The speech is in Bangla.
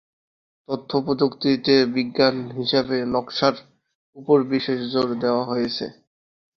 তথ্য প্রযুক্তিতে বিজ্ঞান হিসাবে নকশার উপর বিশেষ জোর দেওয়া হয়েছে।